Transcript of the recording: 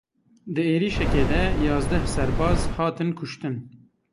Di êrişekê de yazdeh serbaz hatin kuştin.